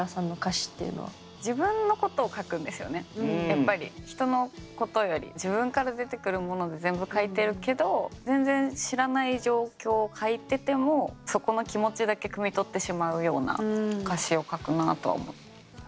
やっぱり人のことより自分から出てくるもので全部書いてるけど全然知らない状況を書いててもそこの気持ちだけくみ取ってしまうような歌詞を書くなあとは思って。